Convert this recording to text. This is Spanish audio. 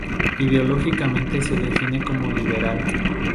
Ideológicamente se define como liberal.